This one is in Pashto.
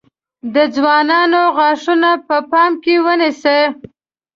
د ځوانانو غاښونه په پام کې ونیسئ.